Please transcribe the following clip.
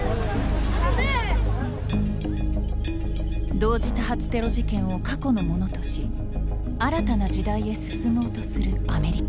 同時多発テロ事件を過去のものとし新たな時代へ進もうとするアメリカ。